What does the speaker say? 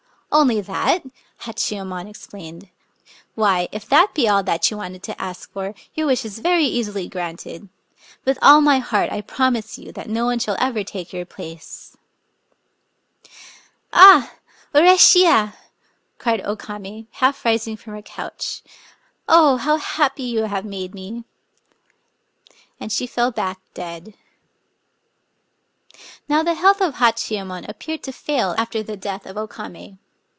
Only that !" Hachiyemon exclaimed. " Why, if that be all that you wanted to ask for, your wish is very easily granted. With all my heart I promise you that no one shall ever take your place." " Aa ! urisbiya !" cried O Kamc, half rising from her couch ;—" oh, how happy you have made me!" And she fell back dead. Now the health qf Hachiyemon appeared to fail after the death of O Kame.